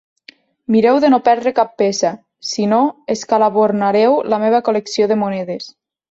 Mireu de no perdre cap peça, si no, escalabornareu la meva col·lecció de monedes.